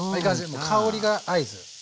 もう香りが合図。